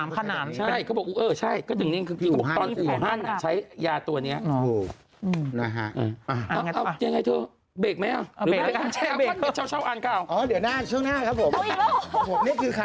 เพราะเขาบอกทีภาพอุ